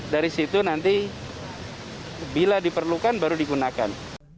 dari situ nanti bila diperlukan baru digunakan